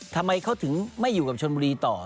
ทำไมเขาถึงไม่อยู่กับชนบุรีต่อ